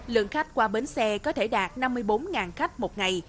lượng khách qua bến xe có thể đạt năm mươi bốn khách một ngày